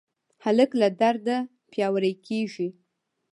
هلک له درده پیاوړی کېږي.